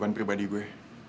kau bikin ibu tolong ups